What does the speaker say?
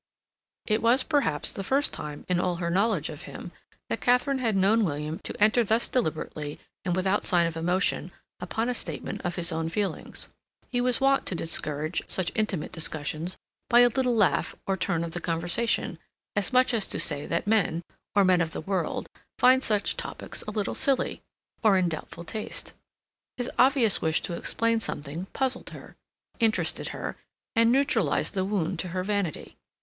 It was, perhaps, the first time in all her knowledge of him that Katharine had known William enter thus deliberately and without sign of emotion upon a statement of his own feelings. He was wont to discourage such intimate discussions by a little laugh or turn of the conversation, as much as to say that men, or men of the world, find such topics a little silly, or in doubtful taste. His obvious wish to explain something puzzled her, interested her, and neutralized the wound to her vanity.